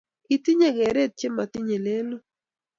Kiitinye keret che matinye lelut